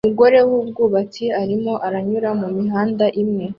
Umukozi wubwubatsi arimo aranyura mumihanda imwe